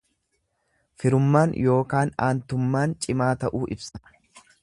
Firummaan ykn aantummaan cimaa ta'uu ibsa.